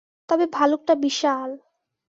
তবে ভালুকটা বিশাল।